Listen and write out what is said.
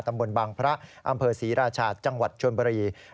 ตำบลบางพระอำเภอศรีราชาจังหวัดชนบุรี